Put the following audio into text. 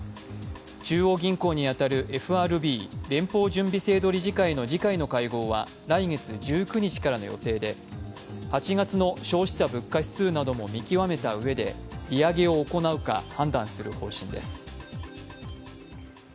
中央銀行に当たるＦＲＢ＝連邦準備制度理事会の次回の会合は来月１９日からの予定で８月の消費者物価指数なども見極めたうえで利上げを行うか判断する方針です。